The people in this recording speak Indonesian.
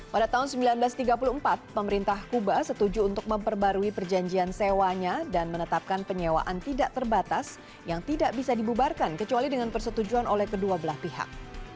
pada tahun seribu sembilan ratus tiga puluh empat pemerintah kuba setuju untuk memperbarui perjanjian sewanya dan menetapkan penyewaan tidak terbatas yang tidak bisa dibubarkan kecuali dengan persetujuan oleh kedua belah pihak